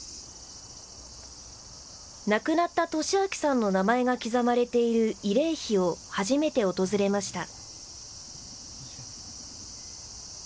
亡くなった稔明さんの名前が刻まれている慰霊碑を初めて訪れました。